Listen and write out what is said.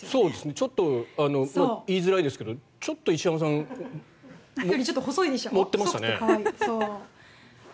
ちょっと言いづらいですけどちょっと石山さん盛ってましたね。